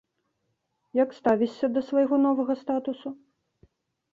Як ставішся да свайго новага статусу?